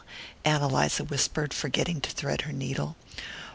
Ann Eliza whispered, forgetting to thread her needle.